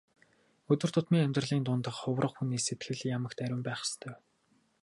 Өдөр тутмын амьдралын дунд хувраг хүний сэтгэл ямагт ариун байх ёстой.